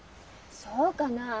そうかなあ。